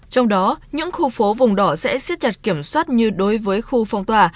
trong đó những khu phố vùng đỏ sẽ xiết chặt kiểm soát như đối với khu phong tỏa